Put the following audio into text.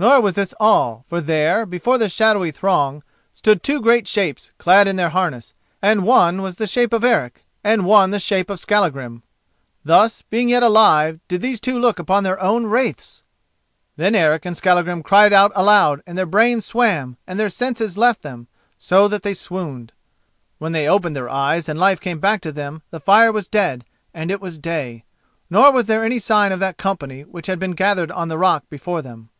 Nor was this all; for there, before that shadowy throng, stood two great shapes clad in their harness, and one was the shape of Eric and one the shape of Skallagrim. Thus, being yet alive, did these two look upon their own wraiths! Then Eric and Skallagrim cried out aloud and their brains swam and their senses left them, so that they swooned. When they opened their eyes and life came back to them the fire was dead, and it was day. Nor was there any sign of that company which had been gathered on the rock before them.